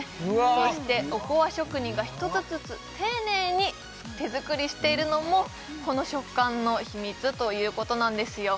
そしておこわ職人が一つずつ丁寧に手作りしているのもこの食感の秘密ということなんですよ